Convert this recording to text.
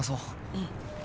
うん。